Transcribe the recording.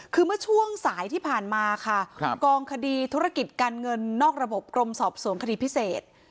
คือเมื่อช่วงสายที่ผ่านมาค่ะกองคดีธุรกิจการเงินนอกระบบกรมสอบสวนคดีพิเศษ